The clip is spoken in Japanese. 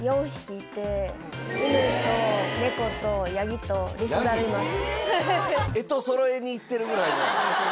犬と猫とヤギとリスザルいます。